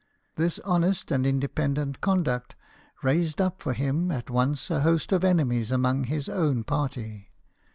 This honest and independent conduct raised up for him at once a host of enemies among his own party.